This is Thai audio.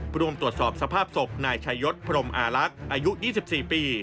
รวมตรวจสอบสภาพศพนายชายศพรมอาลักษณ์อายุ๒๔ปี